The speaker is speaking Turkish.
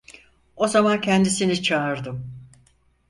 O zaman kendisini çağırdım: